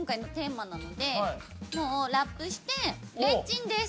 もうラップしてレンチンです。